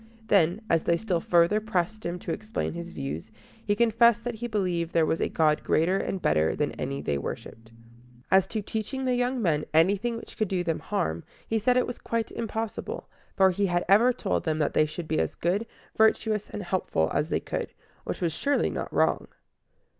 Then, as they still further pressed him to explain his views, he confessed that he believed there was a God greater and better than any they worshiped. As to teaching the young men anything which could do them harm, he said it was quite impossible; for he had ever told them that they should be as good, virtuous, and helpful as they could, which was surely not wrong.